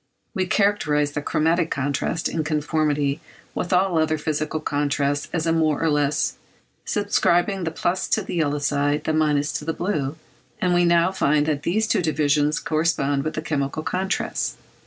We characterised the chromatic contrast, in conformity with all other physical contrasts as a more and less; ascribing the plus to the yellow side, the minus to the blue; and we now find that these two divisions correspond with the chemical contrasts.